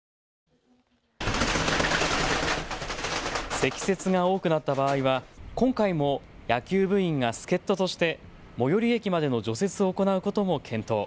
積雪が多くなった場合は今回も野球部員が助っととして最寄り駅までの除雪を行うことも検討。